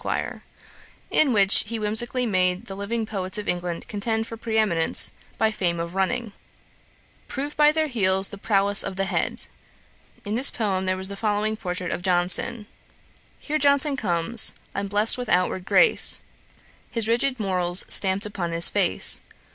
,' in which he whimsically made the living poets of England contend for pre eminence of fame by running: 'Prove by their heels the prowess of the head.' In this poem there was the following portrait of Johnson: 'Here Johnson comes, unblest with outward grace, His rigid morals stamp'd upon his face.